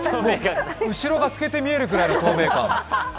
後ろが透けて見えるぐらいの透明感。